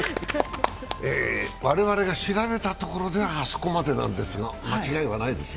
我々が調べたところではあそこまでなんですが合ってましたか？